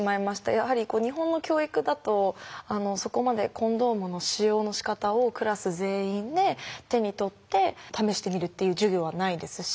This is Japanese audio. やはり日本の教育だとそこまでコンドームの使用のしかたをクラス全員で手に取って試してみるっていう授業はないですし。